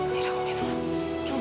biar aku yang ini non